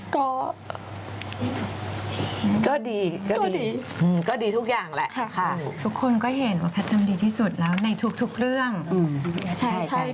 ก็ดีก็ดีก็ดีทุกอย่างแหละทุกคนก็เห็นว่าแพทย์ทำดีที่สุดแล้วในทุกเรื่อง